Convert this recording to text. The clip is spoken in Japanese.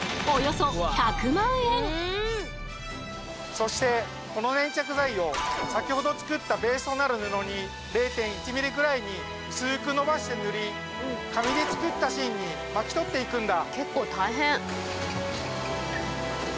そしてこの粘着剤を先ほど作ったベースとなる布に０．１ｍｍぐらいに薄くのばして塗り紙で作った芯に巻き取っていくんだ。